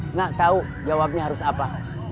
nggak tahu jawabnya harus apa